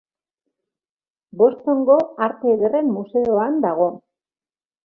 Bostongo Arte Ederren Museoan dago.